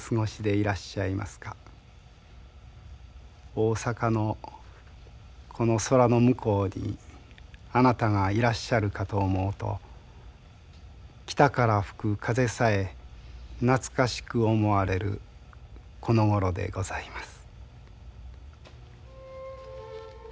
大阪のこの空の向こうにあなたがいらっしゃるかと思うと北から吹く風さえなつかしく思われるこのごろでございます」。